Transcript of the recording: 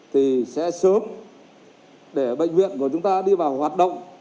thì sẽ sớm để bệnh viện của chúng ta đi vào hoạt động